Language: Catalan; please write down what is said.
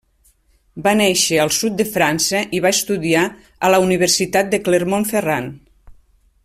Va néixer al sud de França i va estudiar a la Universitat de Clermont-Ferrand.